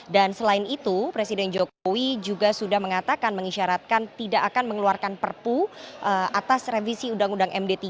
dan selain itu presiden jokowi juga sudah mengatakan mengisyaratkan tidak akan mengeluarkan perpu atas revisi undang undang md tiga